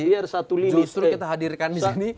justru kita hadirkan disini